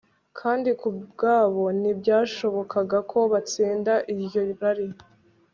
kandi ku bwabo ntibyashobokaga ko batsinda iryo rari